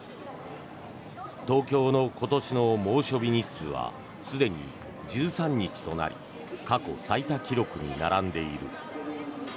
東京の今年の猛暑日日数はすでに１３日となり過去最多記録に並んでいる。